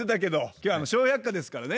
今日は「笑百科」ですからね。